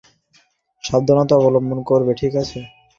সাবধানতা অবলম্বন করবে, ঠিক আছে?